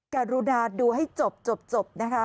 การุณาดูให้จบจบนะคะ